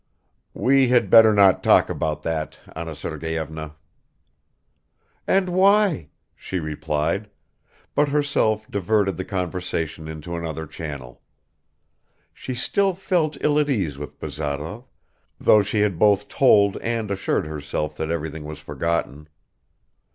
"We had better not talk about that, Anna Sergeyevna." "And why?" she replied, but herself diverted the conversation into another channel. She still felt ill at ease with Bazarov, though she had both told and assured herself that everything was forgotten.